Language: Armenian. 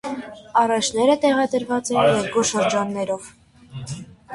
Առէջները տեղադրված են երկու շրջաններով։